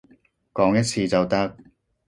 講一次就得